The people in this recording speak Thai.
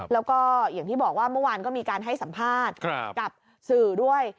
แล้วก็อย่างที่บอกว่าเมื่อวานก็มีการให้สัมภาษณ์กับสื่อด้วย